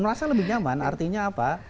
merasa lebih nyaman artinya apa